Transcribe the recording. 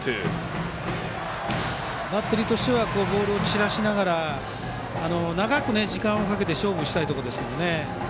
バッテリーはボールを散らしながら長く時間をかけて勝負したいところですね。